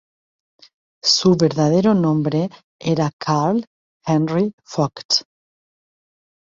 Su verdadero nombre era Carl Henry Vogt.